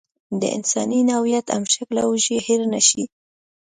د انساني نوعیت همشکله وږی هېر نشي.